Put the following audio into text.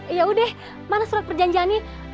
yaudah mana surat perjanjiannya